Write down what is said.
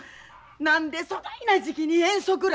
何でそないな時期に遠足ら。